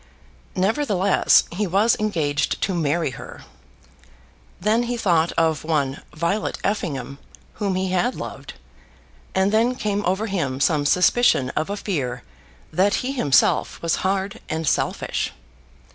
Nevertheless, he was engaged to marry her! Then he thought of one Violet Effingham whom he had loved, and then came over him some suspicion of a fear that he himself was hard and selfish.